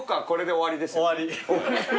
終わり。